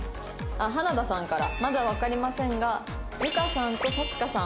あっ花田さんから。まだわかりませんがゆかさんとさちかさん